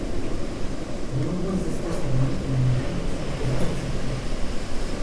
De nombreuses espèces endémiques et indigènes sont présentes dans cette forêt.